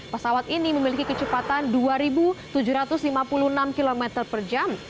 pesawat ini memiliki kecepatan dua tujuh ratus lima puluh enam km per jam